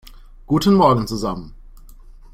Guten Morgen zusammen!